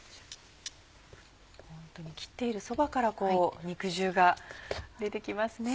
ホントに切っているそばから肉汁が出て来ますね。